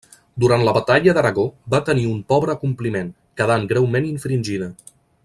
Durant la batalla d'Aragó va tenir un pobre acompliment, quedant greument infringida.